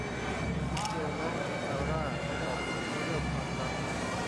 อาบิเกลและซาร่าบอกฉันเรื่องความลับ